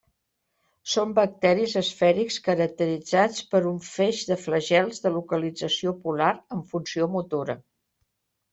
Són bacteris esfèrics caracteritzats per un feix de flagels de localització polar amb funció motora.